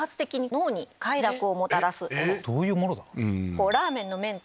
どういうものだ？